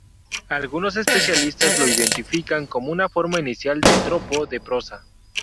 Algunos especialistas lo identifican como una forma inicial de tropo de prosa.